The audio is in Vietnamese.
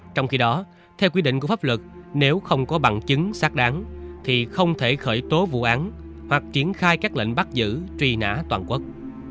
trong khi đó theo quy định của pháp luật nếu không có bằng chứng xác đáng thì không thể khởi tố vụ án hoặc triển khai các lệnh bắt giữ truy nã toàn quốc